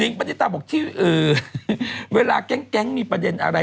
ปณิตาบอกที่เวลาแก๊งมีประเด็นอะไร